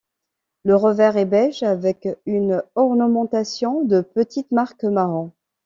Le revers est beige avec une ornementation de petites marques marron.